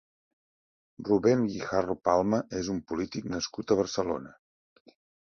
Rubén Guijarro Palma és un polític nascut a Barcelona.